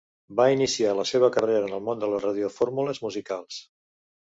Va iniciar la seva carrera en el món de les radiofórmules musicals.